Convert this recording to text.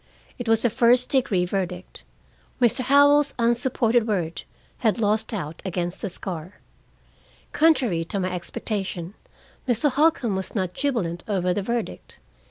It was a first degree verdict. Mr. Howell's unsupported word had lost out against a scar. Contrary to my expectation, Mr. Holcombe was not jubilant over the verdict.